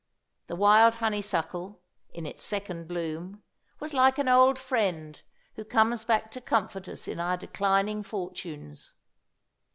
The wild honeysuckle, in its second bloom, was like an old friend who comes back to comfort us in our declining fortunes.